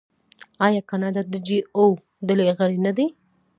آیا کاناډا د جي اوه ډلې غړی نه دی؟